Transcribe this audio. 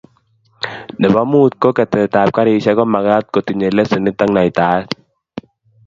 Nebo mut ko ketetab garisiek ko magat kotinyei lesenit ak naitaet